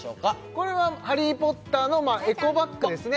これは「ハリー・ポッター」のまあエコバッグですね